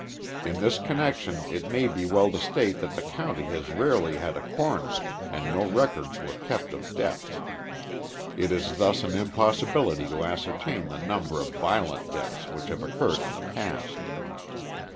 In this connection it may be well to state that the county has rarely had a coroner and no records were kept of deaths. It is thus an impossibility to ascertain the number of violent deaths which have occurred in the past.